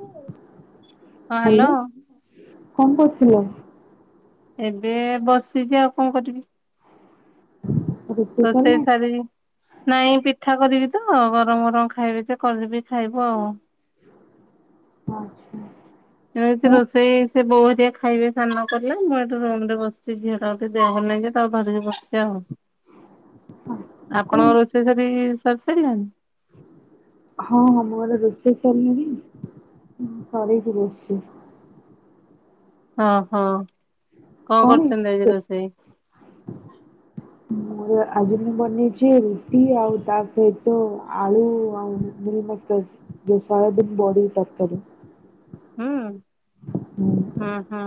ହଁ hello hello କଣ କରୁଥିଲ? ଏବେ ବସିଛି ଆଉ କଣ କରିବି? ହଁ [unintelligible] ରୋଷେଇ ସାରିକି, ନାଇଁ ପିଠା କରିବି ତ ଗରମ ଗରମ ଖାଇବି ତ, କରିବି ଖାଇବ ଆଉ ଆଚ୍ଛା। ଏମିତି ହଁ ରୋଷେଇ ସେ ବୋଧଆ ଖାଇବେ ସାନନା କଲେ ମୁଁ ଏଠି ରୁମ ରେ ବସିଛି ଝିଅ ଟା ଗୋିକି ଦେହ ହେଲାଁ ଯେ ତାଉ ଧରିକି ବସିଛିି ଆଉ ଆଚ୍ଛା [unintelligible] କଣ? ଆପଣ ରୋଷେଇ ସରି ସାରିଲେଣି? ହଁ, ହଁ ମୁଁ ଗୋଟେ ରୋଷେଇ ଚାଲିନି। ହଁ ସାରଠ ବଛଛି [unintelligible] ହ ହୋ, କଣ କରୁଛନ୍ତି? ଆଜି ରୋଷେଇ ମୋର ଆଜି ମୁଁ ବନେଇଛି ରୁଟି ଆଉ ତା ସହିତ ଆଳୁ ଆଉ ମିଲମେକର ବେସାର ଦେଇ ବଡ଼ି ତରକାରି। ହୁଁ ହୁଁ ହୁଁ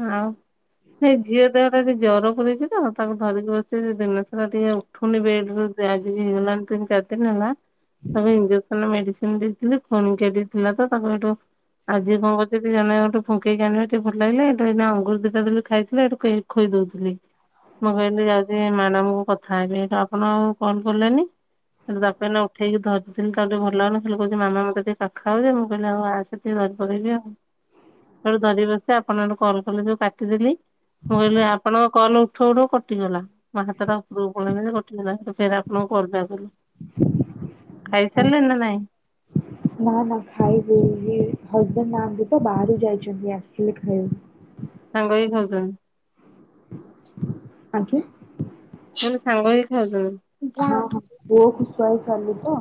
ହୁଁ [unintelligible] ସେଇ ଝିଅ ଦେହଟା ରେ ଟିକେ ଜର ପୂରେଇଛି ତ ତାକୁ ଧରିକି ବସିଛି ଦିନସାରା ଟିକେ ଉଠୁନି ବେଡରୁ ଆଜିକି ହେଇଗଲାଣି, ତିନି ଚାରିଦିନ ହେଇଗଲା। ତାକୁ ଇଞ୍ଜେକ୍ସନ ମେଡିସିନ ଦେଇଥିଲି ପୁଣି [unintelligible] ଥିଲା ତ ତାକୁ ଏଠୁ ଆଜି କଣ କରୁଛନ୍ତି, ଜଣେ ଗୋଟେ ଫୁଙ୍କେଇ ଆଣେ ଟିକେ ଭଲ ଲାଗିଲେ ଏଇନା ଅଙ୍ଗୁର ଦୁଇଟା ଦେଲି ଖାଉଠିଲା ଏଠୁ ଖୁଆଇଦଉଥିଲି। ମୁଁ କହିଲି ଯାଉଛି ମ୍ୟାଡାମ କୁ କଥା ହେବି ତ ଆପଣ ଆଉ କଲ କଲେନି। ତାକୁ ବାପା ଏଇନା ଉଠେଇକି ଧରିଥିଲେ ତାକୁ ଟିକେ ଭଲ ଲାଗୁନି ଖାଲି କହୁଛି ମାମା ମୋତେ ଟିକେ କାଖାଅ ଯେ, ମୁଁ କହିଲି ହଉ ଆସେ ଟିକେ [unintelligible] ସେଇଠୁ ଧରିକି ବସିଚି ଆପଣ ହେଇଠୁ କଲ କଲେ ଯୋଉ କାଟିଦେଲି ମୁଁ କହିଲି ଆପଣଙ୍କ କଲ ଉଠଉ ଉଠଉ କଟିଗଲା। ମୋ ହାତଟା ଉପରକୁ ପଳେଇଗଲା ଯେ କଟିଗଲା, ଫେର ଆପଣଙ୍କୁ କରିଦିଏ ବୋଲି। [inaudible] ଖାଇ ଆ- ସାରିଲେଣି ନା ନାହିଁ? ନା ନା ଖାଇବି ଏବେ, ଏଇ ହଜବେଣ୍ଡ ନାହାଁନ୍ତି ତ ବାହାରକୁ ଯାଇଚନ୍ତି ଆସିଲେ ଖାଇବୁ। ସାଙ୍ଗ ହେଇ ଖାଉଛନ୍ତି? ଆଜ୍ଞା? ମୁଁ କହିଲି ସାଙ୍ଗହେଇ ଖାଉଛନ୍ତି? ହଁ ହଁ। ପୁଅକୁ ଶୁଆଇ ସାରିଲି ତ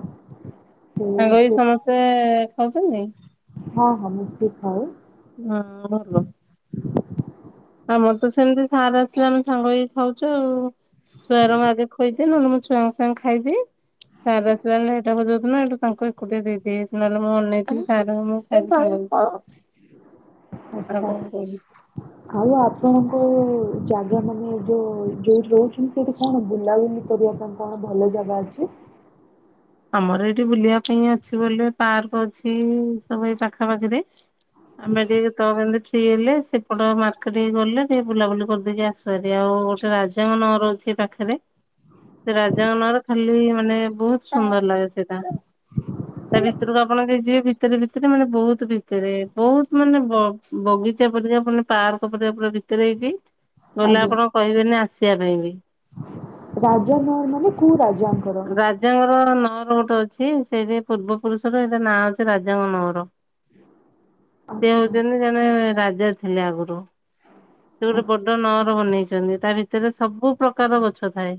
ସେ ସାଙ୍ଗହେଇ ସେ ସମସ୍ତେ ଖାଉଚନ୍ତି? ହଁ ହଁ ମିଶିକି ଖାଉ ହଁ ଭଲ। ଆମର ତ ସେମିତି ସାର ଆସିଲେ ଆମେ ସାଙ୍ଗ ହେଇକି ଖାଉଛୁ ଆଉ। ଛୁଆ ଗୁରାଙ୍କୁ ମୁଁ ଆଗେ ଖୁଆଇଦିଏ ନହେଲେ ମୁଁ ଛୁଆଙ୍କ ସାଙ୍ଗରେ ଖାଇଦିଏ, ସାର ଆସିଲା ବେଳେ ଦିଟା ବଜଉଛନ୍ତି ଏଇଠୁ ତାଙ୍କୁ ଏକୁଟିଆ ଦେଇଦିଏ, ନହେଲେ ମୁଁ ଅନେଇଥିବି ସାରଙ୍କ ମୋର ଖାଇବୁ [inaudible] ଆଉ ଆଚ୍ଛା କଣ କୁହ? ଆଉ ଆପଣଙ୍କର ଯୋଉ ଜାଗା ମାନେ ଯୋଉ ଯୋଉଠି ରହୁଚନ୍ତି, ସେଇଠି କଣ ବୁଲାବୁଲି କରି କଣ କଣ ଭଲ ଜାଗା ଅଛି? ଆମର ଏଇଠି ବୁଲିବା ପାଇଁ ଅଛି ବୋଲି ପାର୍କ ଅଛି ସବୁ ଏଇ ପାଖାପାଖିରେ ଆମେ ଟିକେ ତ କେମତି ଫ୍ରି ହେଲେ, ସେପଟ ମାର୍କେଟ କେ ଗଲେ ଟିକେ ବୁଲାବୁଲି କରିଦେଇକି ଆସୁ ଭାରି ଆଉ ଗୋଟେ ରାଜାଙ୍କ ନଅର ଅଛି ଏଇ ପାଖରେ, ସେ ରାଜାଙ୍କ ନଅର ଖାଲି ମାନେ ବହୁତ ସୁନ୍ଦର ଲାଗେ ସେଇଟା। ତା ଭିତରକୁ ଆପଣ ଯଦି ଯିବେ ଭିତରେ ଭିତରେ ମାନେ ବହୁତ ଭିତରେ ବହୁତ ମାନେ ବ-ବ ଦି ଚାରି ପାଦ ଯାଇଁ ଆପଣ ପାର୍କ ପରିକା ପୁରା ଭିତରେ ହେଇଚି, ଗଲେ ଆଜ୍ଞା ଆପଣ କହିବେନି ଆସିବା ପାଇଁ ବି। ରାଜା ନଅର ମାନେ କୋଉ ରାଜାଙ୍କର? ଙ୍କ ନଅର ଗୋଟେ ଅଛି, ସେଇଠି ପୂର୍ବପୁରୁଷର ସେଇଟା ନାଁ ଅଛି ରାଜାଙ୍କ ନଅର। ସେ ଆଚ୍ଛା ହଉଛନ୍ତି ଜଣେ ରାଜା ଥିଲେ ଆଗରୁ। ସେ ଗୋଟେ ଆଚ୍ଛା ବଡ ନଅର ବନେଇଛନ୍ତି, ତା ଭିତରେ ସବୁ ପ୍ରକାରର ଗଛ ଥାଏ।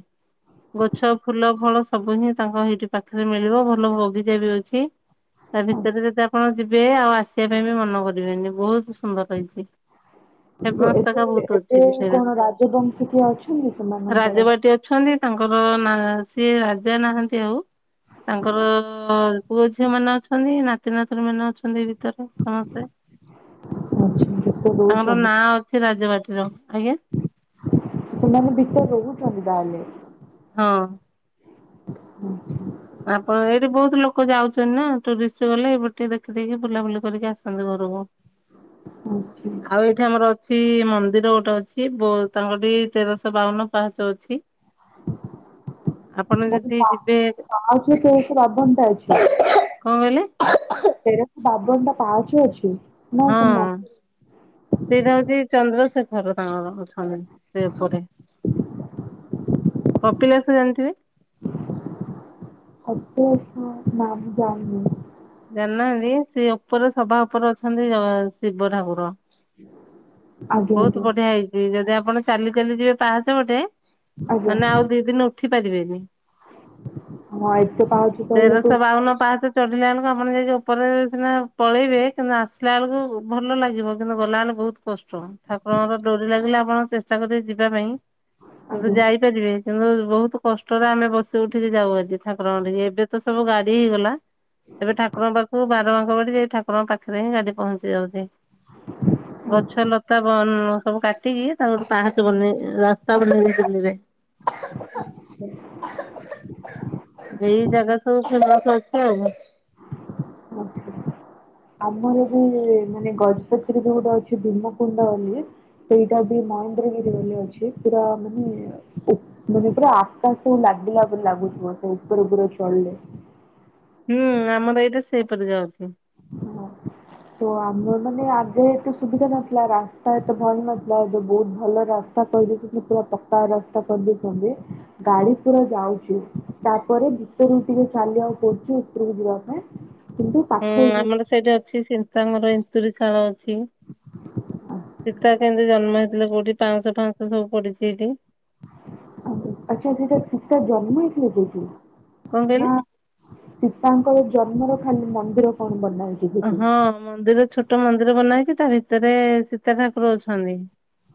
ଗଛ ଫୁଲଫଳ ସବୁ ହିଁ ତାଙ୍କ ସେଇଠି ପାଖରେ ମିଳିବ। ଭଲ ବଗିଚା ବି ଅଛି। ତା ଭିତରେ ଯଦି ଆପଣ ଯିବେ ଆଉ ଆସିବା ପାଇଁ ବି ମନ କରିବେନି ବହୁତ ସୁନ୍ଦର ହେଇଛି। [inaudible] ତ ଏବେ ଏବେ ବି ସେଇରା। କଣ ରାଜବଂଶିକୀୟ ଅଛନ୍ତି ସେମାନଙ୍କର? ହଁ ନାଁ ସିଏ ରାଜା ନାହାଁନ୍ତି ଆଉ ତାଙ୍କର ପୁଅଝିଅମାନେ ଅଛନ୍ତି, ନାତିନାତୁଣୀମାନେ ଅଛନ୍ତି ଭିତରେ ସମସ୍ତେ। ଆଚ୍ଛା ଭିତରେ ତାଙ୍କର ରହୁଛନ୍ତି ନାଁ ଅଛି ରାଜବାଟୀର। ଆଜ୍ଞା ସେମାନେ ଭିତରେ ରହୁଛନ୍ତି ତାହେଲେ? ହଁ। ଆଚ୍ଛା। ଆପଣ ଏଇଠି ବହୁତ ଲୋକ ଯାଉଚନ୍ତି ନା, ଟୁରିଷ୍ଟ ଗଲେ ଏଇପଟେ ଟିକେ ଦେଖିଦେଇକି ବୁଲାବୁଲି କରିକି ଆସନ୍ତି ଘରକୁ। ଆଚ୍ଛା ଆଉ ଏଇଠି ଆମର ଅଛି ଛି ମନ୍ଦିର ଗୋଟେ ଅଛି ବହୁ ତାଙ୍କଠି ତେରଶହ ବାଉନ ପାହାଚ ଅଛି ଆପଣ ମାନେ ଯଦି ପା ଯିବେ [unintelligible] ଅଛି। କଣ କହିଲେ ତେରଶବାବନ ଟା ପାହାଚ ଅଛି? ନା ହଁ ସେ ମନ୍ଦିର ସେଇଟା ହଉଛି ଚନ୍ଦ୍ରଶେଖ ର ତାଙ୍କର ଅଛନ୍ତି ସେ ଏପଟେ। କପିଳାସ ଜାଣିଥିବେ? କପିଳାସ ନାଇଁ ମୁଁ ଜାଣିନି? ଜାଣିନାହାଁନ୍ତି? ସେ ଉପରେ ସଭା ଉପରେ ଅଛନ୍ତି ଜଗା ଶିବ ଠାକୁର। ଆଜ୍ଞା ବହୁତ ଆଜ୍ଞା ବଢିଆ ହେଇଛି ଯଦି ଆପଣ ଚାଲି ଚାଲି ଯିବେ ପାହାଚ ପଟେ ଆଜ୍ଞା ମାନେ ଆଉ ଦି ଦିନ ଉଠି ପାରିବେନି ହଁ ଏତେ ପାଉଚ କହିଲେ ତ ତେରଶହ ବାଉନ ପାହାଚ ଚ ତ ଆପଣ ଯାଇକି ଉପରେ ସିନା ପଳେଇବେ କିନ୍ତୁ ଆସିଲା ବେଳକୁ ଭଲ ଲାଗିବ କିନ୍ତୁ ଗଲା ବେଳୁ ବହୁତ କଷ୍ଟ ଷ୍ଟ ଠାକୁରଙ୍କର ଡୋରି ଲାଗିଲେ ଆପଣ ଚେଷ୍ଟା କରିବେ ଯିବା ପାଇଁ କିନ୍ତୁ ଆଜ୍ଞା ଯାଇପାରିବେ କିନ୍ତୁ ବହୁତ କଷ୍ଟରେ ଆମେ ବସି ଉଠିକି ଯାଉ ଆଜି ଠାକୁରଙ୍କଠି ଏବେ ତ ସବୁ ଗାଡି ହେଇଗଲା ଏବେ ଠାକୁରଙ୍କ ପାଖକୁ ବାର ବାଙ୍କ ବାଟିଦେଇ ଠାକୁରଙ୍କ ପାଖରେ ହିଁ ଗାଡି ପହଞ୍ଚି ଯାଉଚି ଆଚ୍ଛା ଗଛ ଲତା ବନ ସବୁ କାଟିକି ତାଙ୍କର ପାହାଚ ବନେଇ ରାସ୍ତା ବନେଇଦେଇଛନ୍ତି ଆଚ୍ଛା। ଏବେ ଏଇ ଜାଗା ସବୁ [unintelligible] [unintelligible] ଆମର ବି ମାନେ ଗଜ ସେଥିରେ ଯୋଉ ଗୋଟେ ଅଛି ଭୀମକୁୁଣ୍ଡ ବୋଲି ସେଇଟା ବି ମହେନ୍ଦ୍ରଗିରି ବୋଲି ଅଛି ପୁରା ମାନେ ଏ ମାନେ ପୁରା ଆକାଶ ଲା ଲାଗିଲା ପରି ଲାଗୁଥିବ ଉପରେ ଉପରେ ଚଢିଲେ ହୁଁ ଆମର ଏଇଟା ସେଇପରି ଯାଉଚି ହଁ। ତ ଆମ ମାନେ ଆଗେ ଏତେ ସୁବିଧା ନଥିଲା ରାସ୍ତା ଏତେ ଭଲ ନଥିଲା ଏବେ ବହୁତ ଭଲ ରାସ୍ତା [unintelligible] ସେ ପୁରା ପକ୍କା ରାସ୍ତା କରଦେଇଚନ୍ତି ଗାଡି ପୁରା ଯାଉଛି ତାପରେ ଉପରକୁ ଟିକେ ଚାଲିବାକୁ ପଡୁଛି ଉପରକୁ ଯିବା ପାଇଁ କିନ୍ତୁ ହୁଁ ପାଖ ଆମର ସେଇଠି ଅଛି ସିତାଙ୍କର ଏନ୍ତୁରିଶାଳ ଅଛି ସୀତା କେମତି ଜନ୍ମ ହେଇ ଥିଲେ କୋଉଠି ପାଉଁଶ ପାଉଁଶ ସବୁ ପଡିଛି ଏଠି ଆଚ୍ଛା ସେଟା ସୀତା ଜନ୍ମ ହେଇଥିଲେ ସେଇଠି? କଣ କହିଲେ? ନା ସୀତାଙ୍କର ଜନ୍ମର ଖାଲି ମନ ହଁ ମନ୍ଦିର ଛୋଟ ମନ୍ଦିର ବନା ହେଇଚି ତା ଭିତରେ ସୀତା ଠାକୁର ଅଛନ୍ତି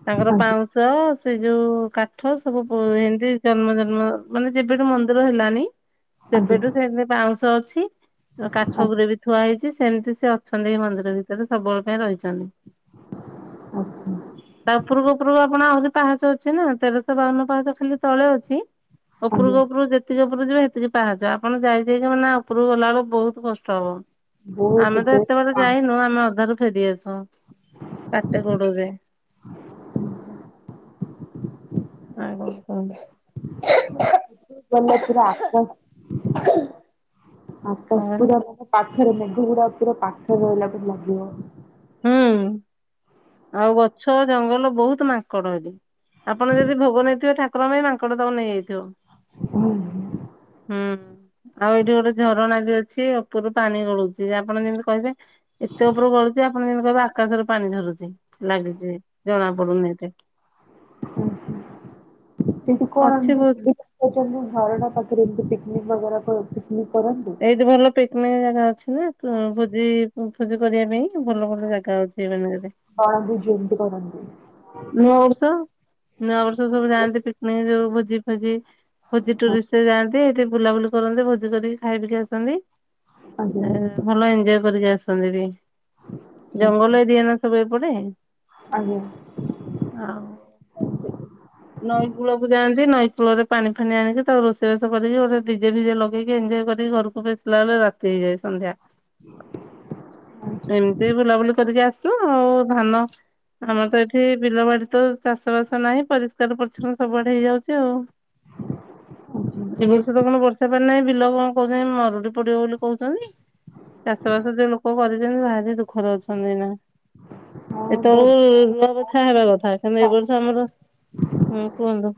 ତାଙ୍କର ଆଜ୍ଞା ପାଉଁଶ ସେ ଯୋଉ କାଠ ସବୁ ପୋ ଏମତି ଜନ୍ମ ଜନ୍ମ ମାନେ ଯେବେଠୁ ମନ୍ଦିର ହେଲାଣି ଆଜ୍ଞା ସେବେଠୁ ସେମିତି ବାଉଁଶ ଅଛି କାଠ ଆଜ୍ଞା ଗୁରେ ବି ହେଇଚି ସେମିତି ସେ ଅଛନ୍ତି ଏଇ ମନ୍ଦିର ଭିତରେ ସବୁବେଳେ ପାଇଁ ରହିଚନ୍ତି ଆଚ୍ଛା ତା ଉପରକୁ ଉପରକୁ ଆପଣ ଆହୁରି ପାହାଚ ଅଛି ନା ତେରଶହ ବାଉନ ପାହାଚ ଖାଲି ତଳେ ଅଛି ଆଜ୍ଞା ଉପରକୁ ଉପରକୁ ଯେତିକି ଉପ ଉପରକୁ ଯିବେ ହେତିକି ପାହାଚ ଆପଣ ଯାଇ ଯାଇ କିନା ଉପରକୁ ଗଲା ବେଳକୁ ବହୁତ କଷ୍ଟ ହବ ବହୁତ ଆମେ ତ ଏତେବାଟ ବେଶ। ଯାଇନୁ ଆମେ ଅଧାରୁ ଫେରିଆସୁ କାଟେ ଗୋଡ଼ ଯେ ଆଉ କଣ କୁହ। [unintelligible] [inaudible] [unintelligible] ଆକାଶ ତାପରେ ପୁରା ମାନେ ପାଖରେ ମେଘୁ ଗୁଡା ପୁରା ପାଖରେ ରହିଲା ପରି ଲାଗିବ ହୁଁ ଆଉ ଗଛ ଜଙ୍ଗଲ ବହୁତ ମାଙ୍କଡ ହେଠି ଆପଣ ଯଦି ଭୋଗ ନେଇଥିବେ ଠାକୁର ପାଇଁ ମାଙ୍କଡ଼ ତାକୁ ନେଇଯାଇ ଥିବ ହୁଁ ଆଉ ହେଠି ଗୋଟେ ଝରଣା ଟିଏ ଅଛି ଉପରୁ ପାଣି ଗଳୁଛି ଆପଣ ଯେମିତି କହିବେ ଏତେ ଉପରୁ ଗଳୁ ଚି ଆପଣ ଯେମିତି କହିବେ ଆକାଶରୁ ପାଣି ଝରୁଛି ଲାଗୁଛି ଜଣା ପଡୁନି ଏତେ ହୁଁ ହୁଁ ସେଠୁ କଣ ଅଛି ଏମିତି ବହୁତ ସୁବିଧା ପାଉଛନ୍ତି ଝରଣା ପାଖରେ ଏମିତି ପିକିନିକ୍ ବଗେରା ତ ଥି ଏଇଠି ଭଲ ପିକିନିକ୍ ଜାଗା ଅଛି ନା କଁ ଭୋଜି ଅଁ ଭୋଜି କରିବା ପାଇଁ ଭଲ ଭଲ ଜାଗା ଅଛି ଏଇ ମାନକରେ କଁ ଏମିତି [unintelligible] କରନ୍ତି? ନୂଆବର୍ଷ ନୂଆ ବର୍ଷ ସବୁ ହଁ ଯାଆନ୍ତି ପିକନିକ୍ ଯୋଉ ଭୋଜି ଫୋଜି ଭୋଜି ଟୁରିଷ୍ଟ ଯାଆନ୍ତି ସେଠି ବୁଲାବୁଲି କରନ୍ତି ଭୋଜି କରିକି ଖାଇପିକି ଆସନ୍ତି। ଆଜ୍ଞା ଏ ଭଲ ଏଞ୍ଜୟ୍ କରିକି ଆସନ୍ତି ହେଠି। ଆଚ୍ଛା ଜଙ୍ଗଲ ଏରିଆ ନା ସବୁ ଏପଟେ। ଆଜ୍ଞା। ଆଉ ଏମିତି। ନଈକୂଳକୁ ଯାଆନ୍ତି ନଈ କୂଳରେ ପାଣି ଫାଣି ଆଣିକି ତାକୁ ରୋଷେଇ ବାସ କରିକି ଗୋଟେ ଡିଜେ ଫିଜେ ଲଗେଇକି ଏନ୍ ଏଞ୍ଜୟ୍ କରିକି ଘରକୁ ଆସିଲା ବେଳେକୁ ରାତି ହେଇଯାଏ ସନ୍ଧ୍ୟା। ଏମିତି ବୁଲାବୁଲି କରିକି ଆସିବ ଆଉ ଧାନ ଆମର ତ ଏଠି ବିଲବାଡି ତ ଚାଷ ବାସ ନାହିଁ ପରିଷ୍କାର ପରିଚ୍ଛନ୍ନ ସବୁଆଡେ ହେଇଯାଉଛି ଆଉ। ଆଚ୍ଛା ଏ ବର୍ଷ ତ କଣ ବର୍ଷା ହବାର ନାଇଁ ବିଲ କଣ କହୁଛନ୍ତି ମରୁଡି ପଡିବ ବୋଲି କହୁଛନ୍ତି। ଚାଷ ବାସ ଯୋଉ ଲୋକ କରିଛନ୍ତି ଭାରି ଦୁଃଖରେ ଅଛନ୍ତି ଏଇନା। ହଁ ଏତେ ବର୍ଷା ବେଳକୁ ହେବା ମୌସୁମୀ କଥା କିନ୍ତୁ ଏଇ ବର୍ଷ ଆମର ହୁଁ କୁହନ୍ତୁ।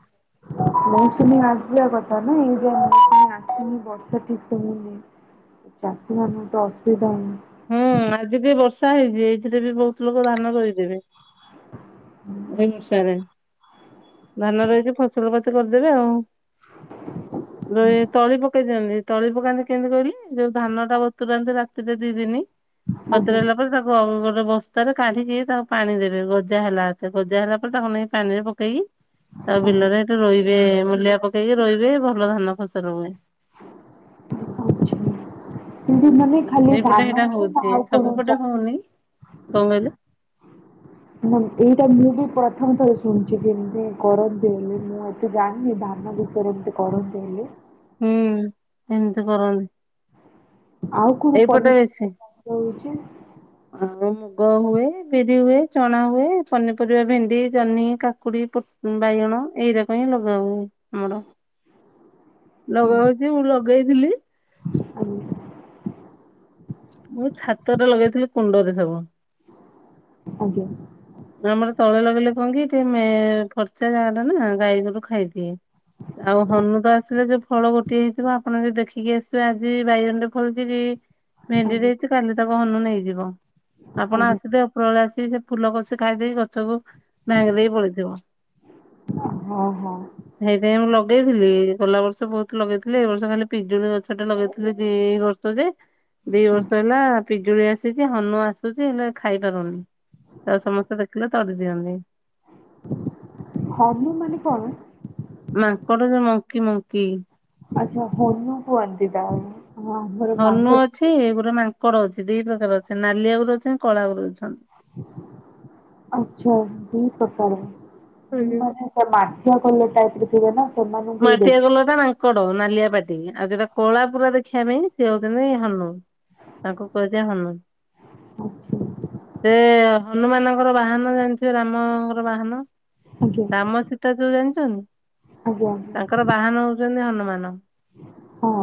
[unintelligible] ଆକ୍ଟୁଆଲି ବର୍ଷା ଠିକ୍ ସେ ହଉନି। ଚାଷୀ ମାନଙ୍କୁ ତ ଅସୁବିଧା ହଉ ହୁଁ ଆଜି ଟିକେ ବର୍ଷା ହେଇଛି ଏଇଥିରେ ବି ବହୁତ ଲୋକ ଧାନ ରୋଇଦେବେ। ଏଇ ବର୍ଷାରେ ବି ଧାନ ରୋଇକି ଫସଲ ପାତି କରିଦେବେ ଆଉ। [unintelligible] ତଳି ପକ ପକେଇ ଦିଅନ୍ତି। ତଳି ପକାନ୍ତି କେମିତି କହିଲୁ ଯୋଉ ଧାନ ଟା ବତୁରାନ୍ତି ରାତିରେ ଦିନି ଆଜ୍ଞା ବତୁରେଇଲା ପରେ ତାକୁ ଆଉ ଗୋ ବସ୍ତାରେ କାଢିକି ତାକୁ ପାଣି ଦେବେ। ଗଜା ହେଲା ଆତେ ଗଜା ହେଲା ପରେ ତାକୁ ନେଇ ପାଣି ରେ ପକେଇ ଆଉ ଆଜ୍ଞା। ବିଲରେ ଏଠି ରୋଇବେ ମୂଲିଆ ପକେଇକି ରୋଇବେ ଭଲ ଧାନ ଫସଲ ହୁଏ। ଆଚ୍ଛା। କିନ୍ତୁ ହୁଁ ମାନେ ଖାଲି ଏଇପଟେ ଧାନ ସେଇଟା ରେ ନା ହଉଛି ଆଉ କଣ ସବୁପଟେ ଚା ହଉନି କଣ କହିଲେ? ଏଇଟା ମୁଁ ପ୍ରଥମ ଥର ଶୁଣିଛି ଏମିତି କରନ୍ତି ବୋଲି। ମୁଁ ଏତେ ଜାଣିନି ଧାନ ବିଷୟରେ ଏମତି କରନ୍ତି ବୋଲି। ହୁଁ ଏମିତି କରନ୍ତି। ଆଉ କଣ ଏଇପଟେ ପନିପରିବା ବେଶି। ଚାଷ ହଉଛି? ଆଉ ମୁଗ ହୁଏ, ବିରି ହୁଏ, ଚଣା ହୁଏ ପନିପରିବା ଭେଣ୍ଡି, ଜହ୍ନି କାକୁଡି, ପୋ, ବାଇଗଣ। ଏଇ ରାକ ହିଁ ଲଗା ହୁଏ ଆମର। [inaudible] ଲଗା ହଉଛି ମୁଁ ଲଗେଇଥିଲି। ଆଜ୍ଞା। ମୁଁ ଛାତରେ ଲଗେଇଥିଲି କୁଣ୍ଡରେ ସବୁ। ଆଜ୍ଞା। ଆମର ତଳେ ଲଗେଇଲେ କଣ କି ଟିକେ ମେ ଫର୍ଚା ଯାଗାଟା ନା ଗାଈ ଗୋରୁୁ ଖାଇଦିଏ। ଆଉ ହନୁ ତ ଆସିଲେ ଯୋଉ ଫଳ ଗୋଟିଏ ହେଇଥିବ ଆପଣ ଯଦି ଦେଖିକି ଆସିଥିବେ ଆଜି ବାଇଗଣଟେ ଫଳିଚି କି ଭେଣ୍ଡି ଆଜ୍ଞା ଦେଇଛି କାଲି ତାକୁ ହନୁ ନେଇଯିବ। ଆପଣ ଆଜ୍ଞା ଆସିଥିବେ ଉପର ଓଳି ଆସିବି ସେ ଫୁଲ କଷି ଖାଇଦେଇ ଗଛକୁ ଭାଙ୍ଗି ଦେଇକି ପଳେଇଥିବ। ହଁ ହଁ। ସେଇଥିପାଇଁ ମୁ ଲଗେଇ ଥିଲି। ଗଲା ବର୍ଷ ବହୁତ ଲଗେଇଥିଲି ଏଇ ବର୍ଷ ଖାଲି ପିଜୁଳି ଗଛ ଟେ ଲଗେଇଥିଲି ଦିଇ ବର୍ଷ ରେ ଦି ବର୍ଷ ହେଲା ପିଜୁଳି ଆସିଛି ହନୁ ଆସୁଛି ହେଲେ ଖାଇପାରୁନି। ତାକୁ ସମସ୍ତେ ଦେଖିଲେ ତଡ଼ି ଦିଅନ୍ତି। ହନୁ ମାନେ କଣ? ମାଙ୍କଡ ଯୋଉ ମଙ୍କି ମଙ୍କି। ଆଚ୍ଛା ହନୁ କୁହନ୍ତି ତାହାଲେ। ହନୁ ଅଛି ଏଗୁରେ ମାଙ୍କଡ ଅଛି। ଦି ପ୍ରକାର ଅଛି ନାଲିଆଗୁରେ ଅଛନ୍ତି, କଳା ଗୁରେ ଅ ଆଚ୍ଛା ଦି ପ୍ରକାର। ହନୁ ଆଜ୍ଞା। ଗୁଡାକ ମାଟିଆ କଲର ଟାଇପର ଥିବେ ନା। ସେମାନଙ୍କୁ ବି ଦେଖ ମାଟିଆ କଲରଟା ମାଙ୍କଡ଼ ନାଲିଆ ପା ଟି ଆଉ ଯୋଉଟା କଳା ପୁରା ଦେଖିଆ ପାଇଁ ସିଏ ହଉଛନ୍ତି ହନୁ। ତାଙ୍କୁ କୁହାଯାଏ ହନୁ। ଆଚ୍ଛା। ସେ ହନୁମାନଙ୍କର ବାହନ ଜାଣିଥିବେ, ରାମର ବାହନ ଆଜ୍ଞା ରାମ ସୀତା ଯୋଉ ଜାଣିଛନ୍ତି? ଆଜ୍ଞା। ତାଙ୍କର ବାହନ ହଉଛନ୍ତି ହନୁମାନ। ହଁ।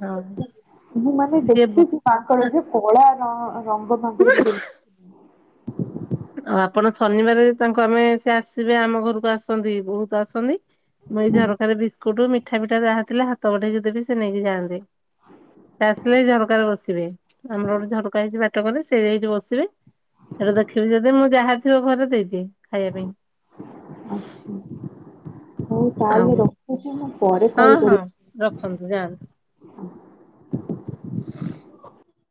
ହଁ ମୁଁ ମାନେ ସିଏ ବ ଦେଖିକି ମାଙ୍କଡ ଯେ କଳା [unintelligible] ରଙ୍ଗ ଭଙ୍ଗରେ [unintelligible] ଆଉ ଆପଣ ଶନିବାର ତାଙ୍କୁ ଆମେ ସେ ଆସିବେ, ଆମ ଘରକୁ ଆସନ୍ତି ବହୁତ ଆସନ୍ତି ମୁଁ ଏଇ ହୁଁ, ଝରକାରେ ବିସ୍କୁଟ ମିଠା ପିଠା ଯାହା ଥିଲା, ହାତ ବଢ଼େଇକି ଦେବି ସେ ନେଇକି ଯାଆନ୍ତି। ସେ ଆସିବେ ଝରକାରେ ବସ ସିବେ ଆମର ଗୋଟେ ଝରକା ହେଇଛି ବାଟ ପଟେ ସେଇଟି ବସିବେ ଏଟା ଦେ ଦେଖିବି ଯଦି ମୁଁ ଯାହା ଥିବ ଘରେ ଦେଇଦିଏ ଖାଇବା ପାଇଁ ଆଚ୍ଛା ହଉ ତାହେଲେ ଆଉ ରଖୁଛି ମୁଁ ପରେ ହଁ କଲ ହଁ କରିବି। ରଖନ୍ତୁ ଯାଆନ୍ତୁ।